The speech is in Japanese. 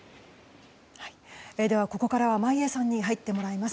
ここからは眞家さんに入ってもらいます。